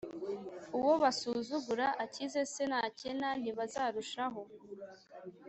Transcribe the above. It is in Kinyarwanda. uwo basuzugura akize se, nakena ntibazarushaho